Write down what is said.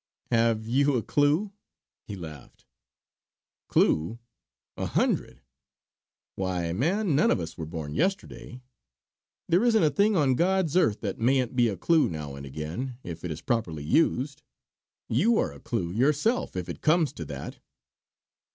"Have you a clue?" He laughed. "Clue? a hundred. Why, man, none of us were born yesterday. There isn't a thing on God's earth that mayn't be a clue now and again if it is properly used. You are a clue yourself if it comes to that."